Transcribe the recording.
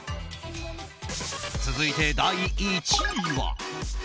続いて第１位は。